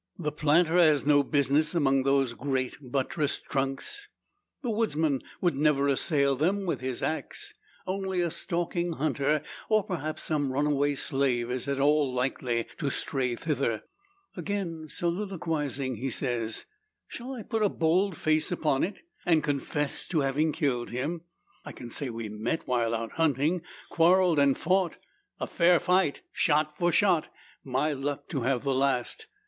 The planter has no business among those great buttressed trunks. The woodman will never assail them with his axe. Only a stalking hunter, or perhaps some runaway slave, is at all likely to stray thither. Again soliloquising, he says, "Shall I put a bold face upon it, and confess to having killed him? I can say we met while out hunting; quarrelled, and fought a fair fight; shot for shot; my luck to have the last.